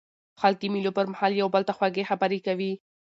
خلک د مېلو پر مهال یو بل ته خوږې خبري کوي.